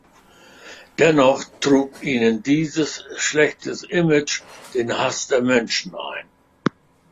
Dennoch trug ihnen dieses schlechte Image den Hass des Menschen ein.